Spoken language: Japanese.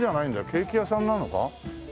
ケーキ屋さんなのか？